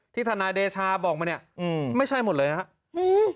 ทนายเดชาบอกมาเนี่ยไม่ใช่หมดเลยนะครับ